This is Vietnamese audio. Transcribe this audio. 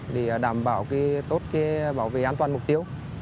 để đảm bảo tốt bảo vệ an toàn mục tiêu